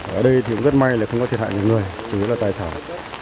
ở đây thì rất may là không có thiệt hại người người chủ yếu là tài sản